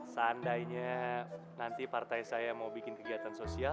seandainya nanti partai saya mau bikin kegiatan sosial